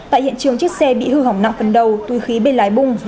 tại hiện trường chiếc xe bị hư hỏng nặng phần đầu tùy khí bên lái bung